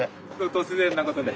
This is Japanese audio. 突然なことで。